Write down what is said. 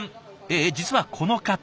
え実はこの方。